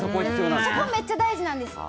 そこめっちゃ大事なんですね。